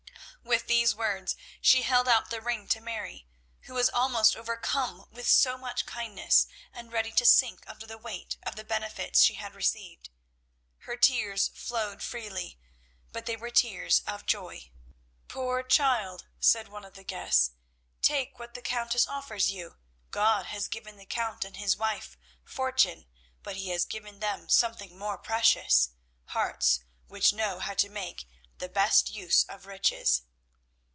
With these words she held out the ring to Mary, who was almost overcome with so much kindness and ready to sink under the weight of the benefits she had received. Her tears flowed freely, but they were tears of joy. "Poor child," said one of the guests, "take what the Countess offers you. God has given the Count and his wife fortune, but He has given them something more precious hearts which know how to make the best use of riches."